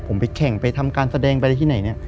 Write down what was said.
ผมไปแข่งไปทำการแสดงไปที่ไหน